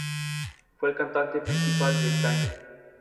Milan, se le asocia al nombre de "San Siro".